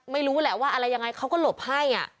ไม่รู้แหละว่าอะไรยังไงเขาก็หลบให้